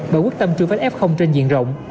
bởi quốc tâm trừ phát f trên diện rộng